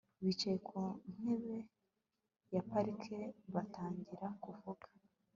Bicaye ku ntebe ya parike batangira kuvuga